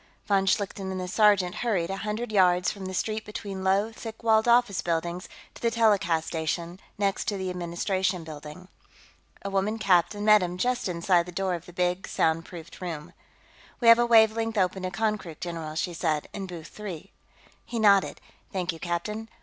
Von Schlichten and the sergeant hurried a hundred yards down the street between low, thick walled office buildings to the telecast station, next to the Administration Building. A woman captain met him just inside the door of the big soundproofed room. "We have a wavelength open to Konkrook, general," she said. "In booth three." He nodded. "Thank you, captain....